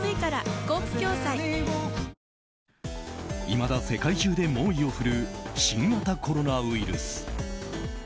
いまだ世界中で猛威を振るう新型コロナウイルス。